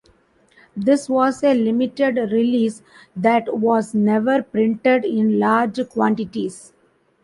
This was a limited release that was never printed in large quantities.